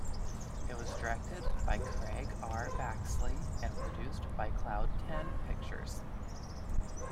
It was directed by Craig R. Baxley and produced by Cloud Ten Pictures.